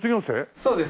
そうです。